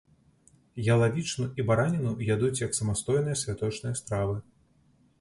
Ялавічыну і бараніну ядуць як самастойныя святочныя стравы.